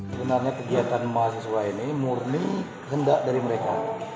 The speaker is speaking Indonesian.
sebenarnya kegiatan mahasiswa ini murni hendak dari mereka